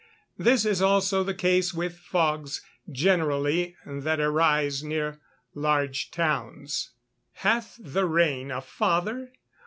This is also the case with fogs generally that arise near large towns. [Verse: "Hath the rain a father?